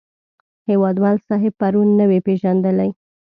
هیوادمل صاحب پرون نه وې پېژندلی.